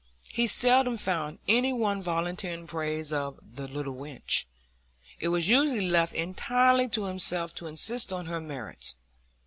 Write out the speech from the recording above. He seldom found any one volunteering praise of "the little wench"; it was usually left entirely to himself to insist on her merits.